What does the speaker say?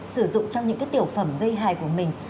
sử dụng trong những cái tiểu phẩm gây hài của mình